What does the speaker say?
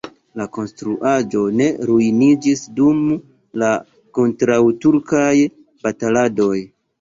La konstruaĵo ne ruiniĝis dum la kontraŭturkaj bataladoj.